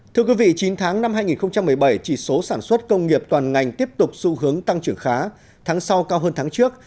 thưa quý vị chín tháng năm hai nghìn một mươi bảy chỉ số sản xuất công nghiệp toàn ngành tiếp tục xu hướng tăng trưởng khá tháng sau cao hơn tháng trước